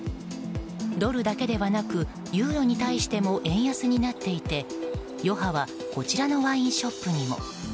ドルだけではなくユーロに対しても円安になっていて余波はこちらのワインショップにも。